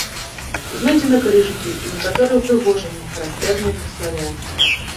Знойдзены крыжыкі і некаторыя ўпрыгожанні, характэрныя для славян.